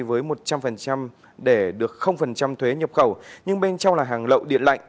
với một trăm linh để được thuế nhập khẩu nhưng bên trong là hàng lậu điện lạnh